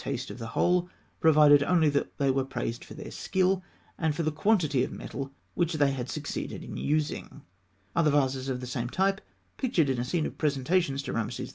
They cared little for the heavy effect and bad taste of the whole, provided only that they were praised for their skill, and for the quantity of metal which they had succeeded in using. Other vases of the same type, pictured in a scene of presentations to Rameses II.